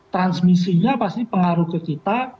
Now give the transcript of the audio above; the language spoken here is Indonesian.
transmisinya pasti pengaruh ke kita